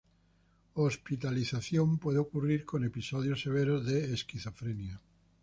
Hospitalización puede ocurrir con episodios severos de esquizofrenia.